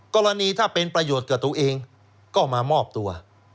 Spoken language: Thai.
กรณีถ้าเป็นประโยชน์กับตัวเองก็มามอบตัว